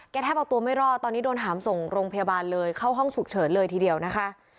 แทบเอาตัวไม่รอดตอนนี้โดนหามส่งโรงพยาบาลเลยเข้าห้องฉุกเฉินเลยทีเดียวนะคะ